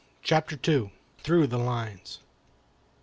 CHAPTER II. THROUGH THE LINES.